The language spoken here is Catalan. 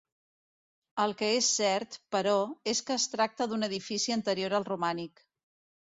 El que és cert, però, és que es tracta d'un edifici anterior al romànic.